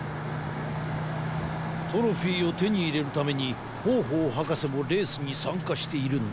トロフィーをてにいれるためにホーホーはかせもレースにさんかしているんだが。